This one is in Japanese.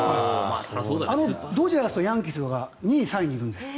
ドジャースとヤンキースが２位、３位にいるんです。